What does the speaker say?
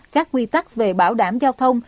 các quy tắc về bảo đảm giao thông